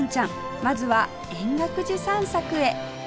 まずは円覚寺散策へ